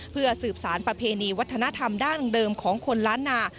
เพื่อสืบสารประเพณีวัฒนธรรมดั้งเดิมของคนล้านนา